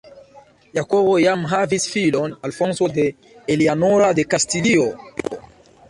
Jakobo jam havis filon Alfonso de Eleanora de Kastilio.